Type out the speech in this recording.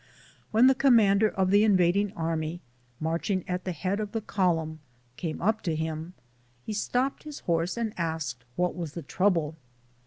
When the commander of the invading army, marching at the head of the column, came up to liim, he stopped his horse and asked what was the trouble.